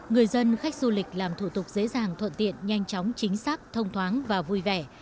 người dân khách du lịch làm thủ tục dễ dàng thuận tiện nhanh chóng chính xác thông thoáng và vui vẻ